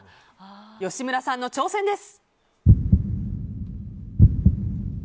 吉村さんの挑戦です。